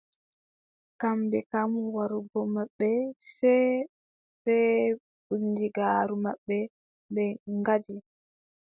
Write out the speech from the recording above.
Kamɓe kam warugo maɓɓe sey bee bundigaaru maɓɓe ɓe ngaddi.